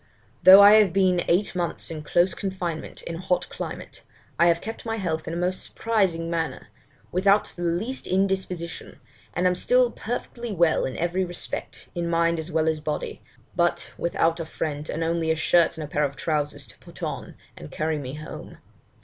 'Though I have been eight months in close confinement in a hot climate, I have kept my health in a most surprising manner, without the least indisposition, and am still perfectly well in every respect, in mind as well as body; but without a friend, and only a shirt and pair of trousers to put on, and carry me home.